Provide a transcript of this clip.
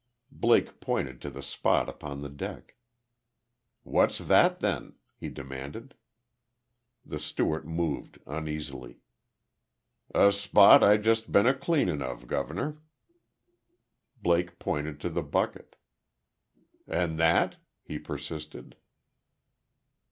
Blake pointed to the spot upon the deck. "What's that, then?" he demanded. The steward moved, uneasily. "A spot I just be'n a cleanin' of, gov'ner." Blake pointed to the bucket. "And that?" he persisted.